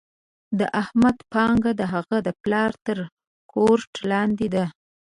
د احمد پانګه د هغه د پلار تر ګورت لاندې ده.